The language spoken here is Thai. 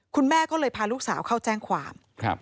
คุณแม่ก็เลยพาลูกสาวเข้าแจ้งความ